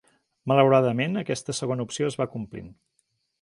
Malauradament, aquesta segona opció es va complint.